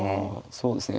そうですね。